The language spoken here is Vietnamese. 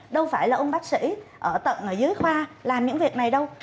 đâu phải là ông bác sĩ ở tận ở dưới khoa làm những việc này đâu